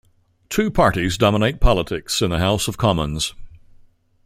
Two parties dominate politics in the House of Commons.